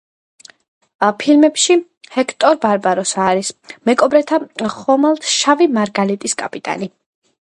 ფილმებში ჰექტორ ბარბოსა არის მეკობრეთა ხომალდ „შავი მარგალიტის“ კაპიტანი.